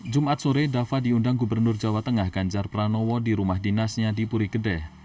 jumat sore dafa diundang gubernur jawa tengah ganjar pranowo di rumah dinasnya di puri gede